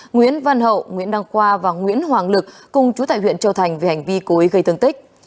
nguyễn văn hậu nguyễn đăng khoa và nguyễn hoàng lực cùng chú tại huyện châu thành về hành vi cố ý gây thương tích